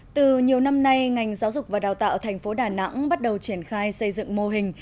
từ nhiều năm nay ngành giáo dục và đào tạo thành phố đà nẵng bắt đầu triển khai xây dựng mô hình